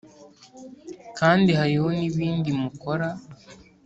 “Kandi hariho n’ibindi mukora